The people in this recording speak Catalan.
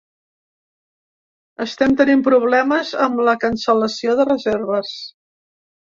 Estem tenint problemes amb la cancel·lació de reserves.